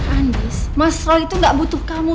anies mas roy itu gak butuh kamu